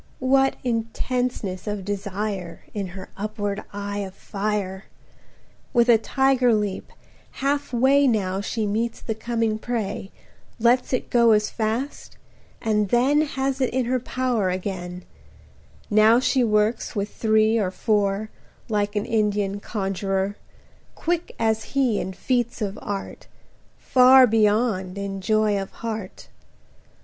What intenseness of desire In her upward eye of fire! With a tiger leap half way Now she meets the coming prey, Lets it go as fast, and then Has it in her power again: Now she works with three or four, Like an Indian conjurer; 30 Quick as he in feats of art, Far beyond in joy of heart.